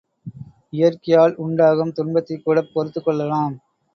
இயற்கையால் உண்டாகும் துன்பத்தைக் கூடப் பொறுத்துக் கொள்ளலாம்.